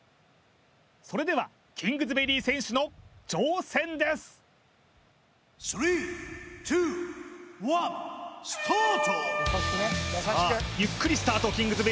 それではキングズベリー選手の挑戦ですさあゆっくりスタートキングズ